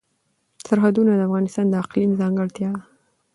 سرحدونه د افغانستان د اقلیم ځانګړتیا ده.